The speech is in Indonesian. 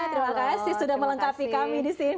terima kasih sudah melengkapi kami di sini